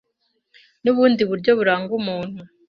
n'ubundi buryo buranga umuntu